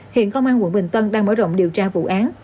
hiện công an quận bình tân đang mở rộng điều tra vụ án